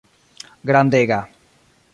Grandega.